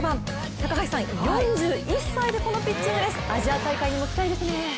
高橋さん、４１歳でこのピッチングです、アジア大会にも期待ですね。